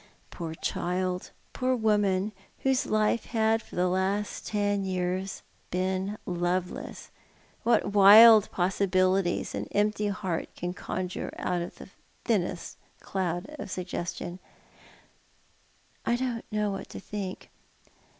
Poor child, poor woman, whose life had, for the last ten years, been loveless! What wild possibilities au empty heart can conjure oiat of the thinnest cloud of suggestion 1 " I don't know what to think."